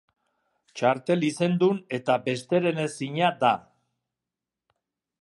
Txartel izendun eta besterenezina da.